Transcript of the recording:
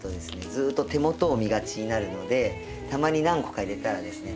ずっと手元を見がちになるのでたまに何個か入れたらですね